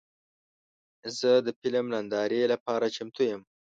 زه د فلم نندارې لپاره چمتو یم.